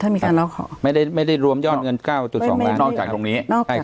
ไม่ได้รวมยอดเงิน๙๒ล้านนอกจากตรงนี้